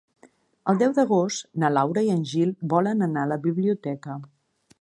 El deu d'agost na Laura i en Gil volen anar a la biblioteca.